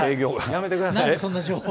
やめてください。